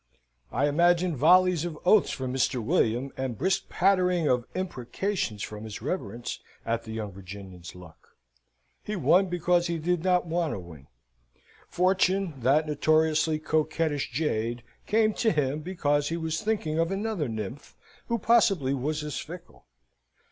I imagine volleys of oaths from Mr. William, and brisk pattering of imprecations from his reverence, at the young Virginian's luck. He won because he did not want to win. Fortune, that notoriously coquettish jade, came to him, because he was thinking of another nymph, who possibly was as fickle.